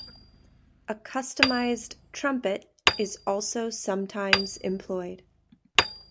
A customised trumpet is also sometimes employed.